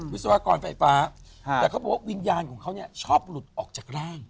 วิศวกรไฟฟ้าแต่เขาบอกว่าวิญญาณของเขาเนี่ยชอบหลุดออกจากร่าง